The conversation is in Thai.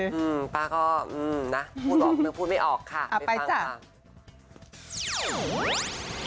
อืมป้าก็อืมนะพูดออกนึกพูดไม่ออกค่ะเอาไปจ้ะ